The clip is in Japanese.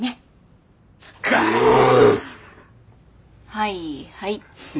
はいはい。